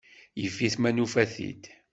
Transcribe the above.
Yif-it ma nufa-t-id.